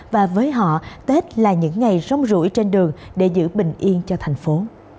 và với họ tết là những ngày rong rủi trên đường để giữ bình yên cho thành phố